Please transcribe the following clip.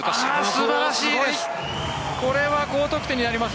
素晴らしいです。